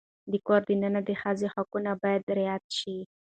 د کور دننه د ښځې حقونه باید رعایت شي.